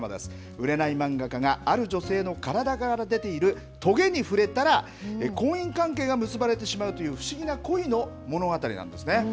売れない漫画家が、ある女性の体から出ているとげに触れたら、婚姻関係が結ばれてしまうという、不思議な恋の物語なんですね。